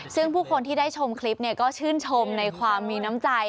ซึ่งผู้คนที่ได้ชมคลิปก็ชื่นชมในความมีน้ำใจ